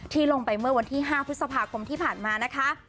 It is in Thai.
ลงไปเมื่อวันที่๕พฤษภาคมที่ผ่านมานะคะ